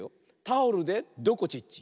タオルでどこちっち。